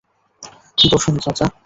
বসুন, চাচা।